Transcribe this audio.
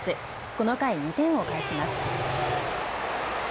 この回、２点を返します。